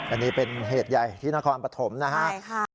อันนี้เป็นเหตุใหญ่ที่นครปฐมนะครับ